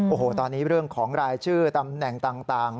โอ้โหตอนนี้เรื่องของรายชื่อตำแหน่งต่าง